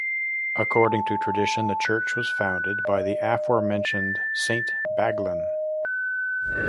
According to tradition the church was founded by the aforementioned Saint Baglan.